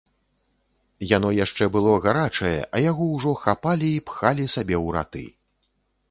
Яно яшчэ было гарачае, а яго ўжо хапалі і пхалі сабе ў раты.